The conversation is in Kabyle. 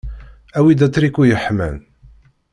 Awi-d atriku yeḥman.